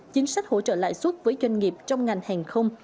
chính sách hỗ trợ lại suốt với doanh nghiệp trong ngành hàng không